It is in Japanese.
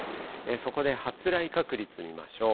そこで発雷確率見ましょう。